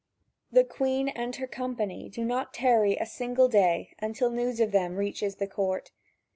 The Queen and her company do not tarry a single day until news of them reaches the court.